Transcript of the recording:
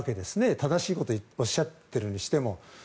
正しいことをおっしゃっているにしても。